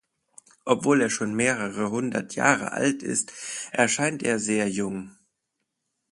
Obwohl er schon mehrere hundert Jahre alt ist, erscheint er sehr jung.